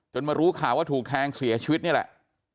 มารู้ข่าวว่าถูกแทงเสียชีวิตนี่แหละ